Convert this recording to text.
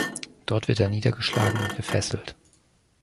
Dort wird er niedergeschlagen und gefesselt.